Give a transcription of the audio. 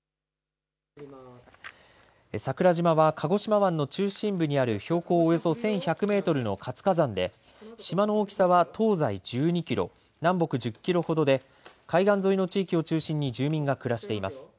桜島は鹿児島湾の中心部にある標高およそ１１００メートルの活火山で島の大きさは東西１２キロ、南北１０キロほどで海岸沿いの地域を中心に住民が暮らしています。